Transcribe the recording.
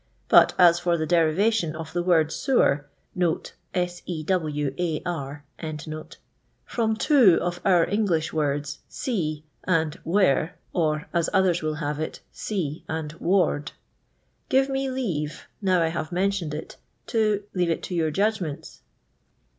But as for the derivatton of the word Sewar, from two of our English words. Sea and fFere, or, as others will have it. Sea and Ward, give me leave, now I have mentioned it, to— leave it to your Judgments.